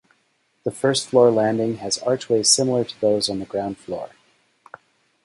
The first floor landing has archways similar to those on the ground floor.